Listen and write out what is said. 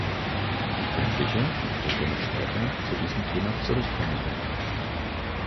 Ich bin sicher, dass wir noch später zu diesem Thema zurückkommen werden.